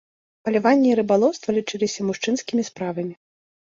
Паляванне і рыбалоўства лічыліся мужчынскімі справамі.